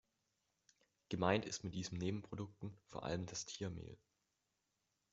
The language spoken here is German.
Gemeint ist mit diesen Nebenprodukten vor allem das Tiermehl.